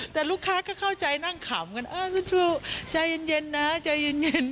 แต่ลูกค้าก็เข้าใจนั่งขำกันฟูใจเย็นนะใจเย็น